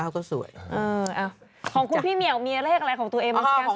ของคุณพี่เหมียวมีเลขอะไรของตัวเองมันเป็นสักส่วนนะคะ